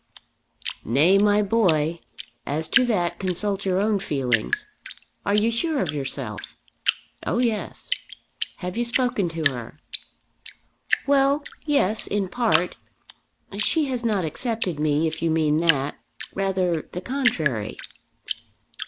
"Nay, my boy; as to that consult your own feelings. Are you sure of yourself?" "Oh yes." "Have you spoken to her?" "Well; yes, in part. She has not accepted me, if you mean that. Rather the contrary."